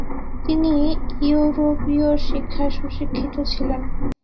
তিনি ইয়োরোপীয় শিক্ষায় সুশিক্ষিত ছিলেন।